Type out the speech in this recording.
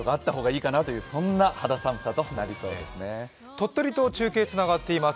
鳥取と中継がつながっています。